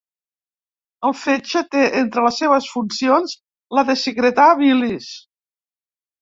El fetge té entre les seves funcions la de secretar bilis.